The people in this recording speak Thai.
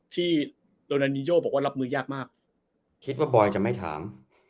ที่โรนานีโยบอกว่ารับมือยากมากคิดว่าบอยจะไม่ถาม